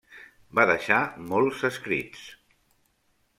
Va deixar molts escrits.